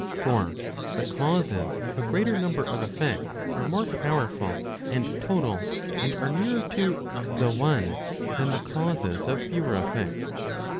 351 For the causes of a greater number of effects, are more powerful and total, and are nearer to the one than the causes of fewer effects.